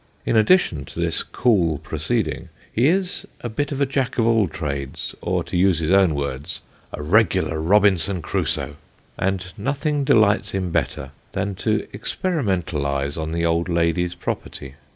In addition to this cool proceeding, he is a bit of a Jack of all trades, or to use his own words " a regular Robinson Crusoe ;" and nothing delights him better than to experimentalise on the old lady's property.